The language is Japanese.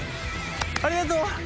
ありがとう。